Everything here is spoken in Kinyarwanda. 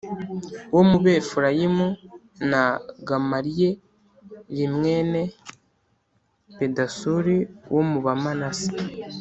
wo mu Befurayimu, na Gamaliye limwene Pedasuri wo mu Bamanase